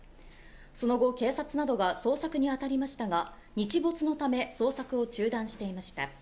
その後、警察などが捜索に当たりましたが日没のため、捜索を中断していました。